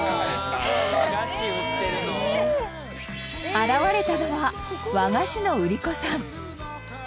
現れたのは和菓子の売り子さん。